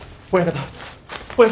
親方。